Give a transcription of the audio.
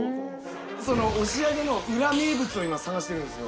押上の裏名物を今探してるんですよ。